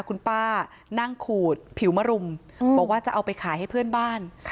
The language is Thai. คุณป้านั่งขูดผิวมรุมบอกว่าจะเอาไปขายให้เพื่อนบ้าน